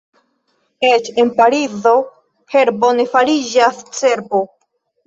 Eĉ en Parizo herbo ne fariĝas cerbo.